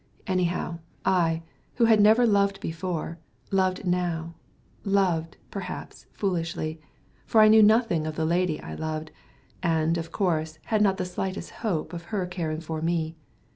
Anyhow, I, who had never loved before, loved now loved, perhaps, foolishly; for I knew nothing of the lady I loved, and, of course, had not the slightest hope of her caring for me.